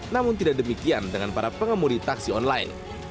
namun tidak demikian dengan para pengemudi taksi online